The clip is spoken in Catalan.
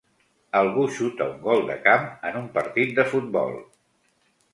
Algú xuta un gol de camp en un partit de futbol.